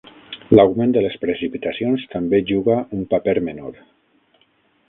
L'augment de les precipitacions també juga un paper menor.